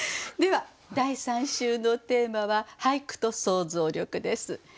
では第３週のテーマは「俳句と想像力」です。